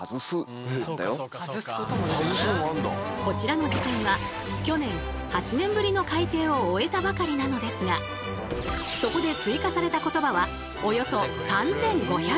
こちらの辞典は去年８年ぶりの改訂を終えたばかりなのですがそこで追加された言葉はおよそ３，５００語。